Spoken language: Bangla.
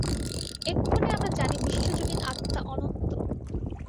এক্ষণে আমরা জানি বিশ্বজনীন আত্মা অনন্ত।